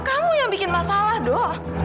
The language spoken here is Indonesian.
kamu yang bikin masalah doh